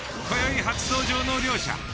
こよい初登場の両者。